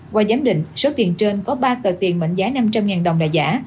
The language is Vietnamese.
qua giám định số tiền trên có ba tờ tiền mệnh giá năm trăm linh đồng là giả